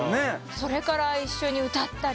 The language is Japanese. それから一緒に歌ったり。